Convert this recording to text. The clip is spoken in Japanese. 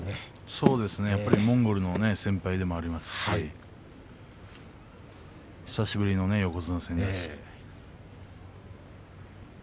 そうですねモンゴルの先輩でもありますし久しぶりの横綱戦です。